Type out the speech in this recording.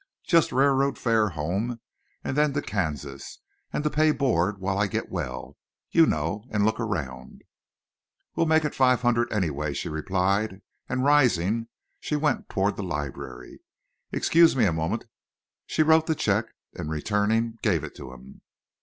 "Just railroad fare home, and then to Kansas, and to pay board while I get well, you know, and look around." "We'll make it five hundred, anyway," she replied, and, rising, she went toward the library. "Excuse me a moment." She wrote the check and, returning, gave it to him.